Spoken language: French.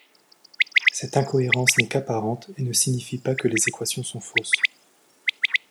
Cette incohérence n'est qu'apparente et ne signifie pas que les équations sont fausses.